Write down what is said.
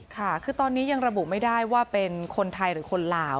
ค่ะคือตอนนี้ยังระบุไม่ได้ว่าเป็นคนไทยหรือคนลาว